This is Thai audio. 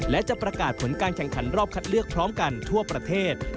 และจะประกาศผลการแข่งขันรอบคัดเลือกพร้อมกันทั่วประเทศ